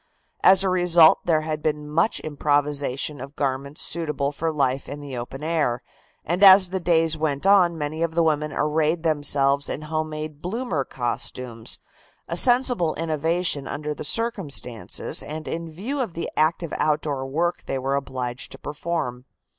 As a result there had been much improvisation of garments suitable for life in the open air, and as the days went on many of the women arrayed themselves in home made bloomer costumes, a sensible innovation under the circumstances and in view of the active outdoor work they were obliged to perform.